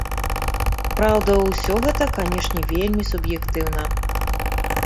Праўда, усё гэта, канешне, вельмі суб'ектыўна.